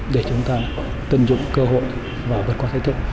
để chúng ta tận dụng cơ hội và vượt qua thách thức